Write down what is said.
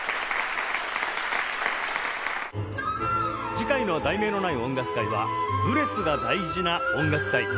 次回の『題名のない音楽会』は「呼吸が大事な音楽会」